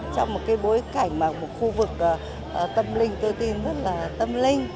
trong một cái bối cảnh mà một khu vực tâm linh tôi tin rất là tâm linh